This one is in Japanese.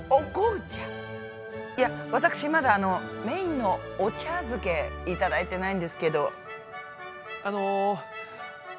いや私まだあのメインのお茶漬けいただいてないんですけど。